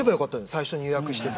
最初に予約してさ。